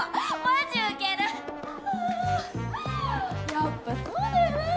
やっぱそうだよな。